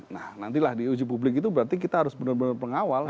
nah nantilah di uji publik itu berarti kita harus benar benar pengawal